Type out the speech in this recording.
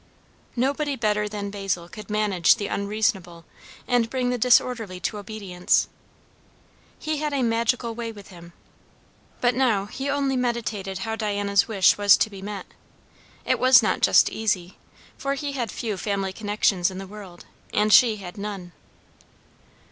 Nobody better than Basil could manage the unreasonable and bring the disorderly to obedience; he had a magical way with him; but now he only meditated how Diana's wish was to be met. It was not just easy, for he had few family connections in the world, and she had none.